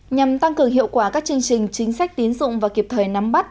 nhằm tăng cường hiệu quả các chương trình chính sách tín dụng và kịp thời nắm bắt